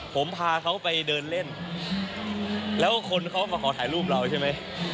ผมพาเขาไปเดินเล่นแล้วคนเขามาขอถ่ายรูปเราใช่ไหม